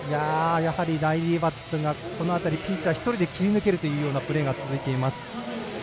やはりライリー・バットがピンチは１人で切り抜けるというプレーが続いています。